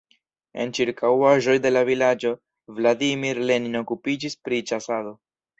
En ĉirkaŭaĵoj de la vilaĝo Vladimir Lenin okupiĝis pri ĉasado.